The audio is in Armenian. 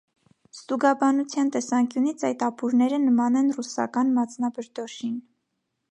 Ստուգաբանության տեսանկյունից այդ ապուրները նման են ռուսական մածնաբրդոշին։